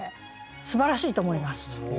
すばらしいと思います。